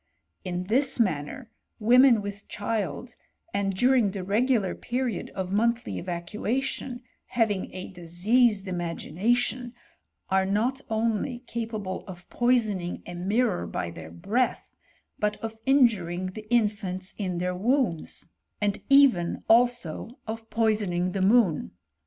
In this manner, women with child, and during the regular period of monthly evacuation, having a diseased imagination, are not only capable of poison ing a mirror by their breath, but of injuring the in fants in their wombs, and even also of poisoning the moon.